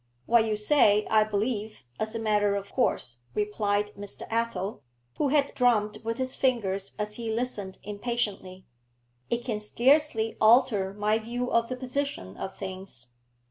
'What you say, I believe, as a matter of course,' replied Mr. Athel, who had drummed with his fingers as he listened impatiently. 'It can scarcely alter my view of the position of things.